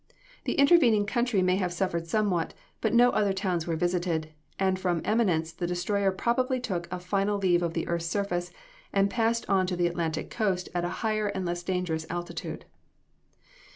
The intervening country may have suffered somewhat, but no other towns were visited, and from Eminence the destroyer probably took a final leave of the earth's surface and passed on to the Atlantic Coast at a higher and less dangerous altitude."